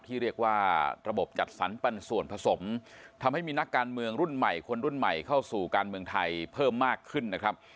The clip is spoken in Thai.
ที่เรียกว่าระบบจัดสรรปันส่วนผสมทำให้มีนักการเมืองรุ่นใหม่คนรุ่นใหม่เข้าสู่การเมืองไทยเพิ่มมากขึ้นนะครับ